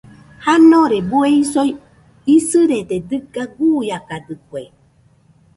Janore bue isoi isɨrede dɨga guiakadɨkue.